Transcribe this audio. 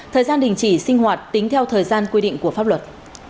thời gian đình chỉ sinh hoạt tính theo thời gian quy định của pháp luật